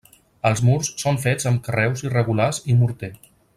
Els murs són fets amb carreus irregulars i morter.